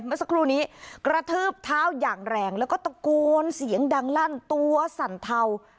เมื่อสักครู่นี้กระทืบเท้าอย่างแรงแล้วก็ตะโกนเสียงดังลั่นตัวสั่นเทา